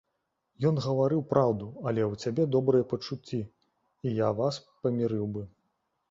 Ён гаварыў праўду, але ў цябе добрыя пачуцці, і я вас памірыў бы.